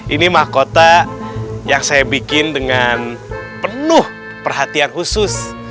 ini mahkota yang saya bikin dengan penuh perhatian khusus